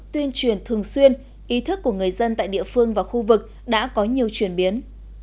tuyên truyền thường xuyên ý thức của người dân tại địa phương và khu vực đã có nhiều chuyển biến